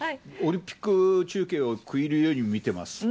オリンピック中継を食い入るように見てます。